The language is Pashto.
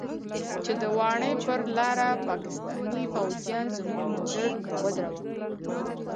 چې د واڼې پر لاره پاکستاني فوجيانو زموږ موټر ودراوه.